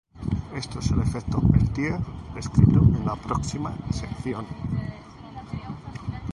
Esto es el efecto Peltier, descrito en la próxima sección.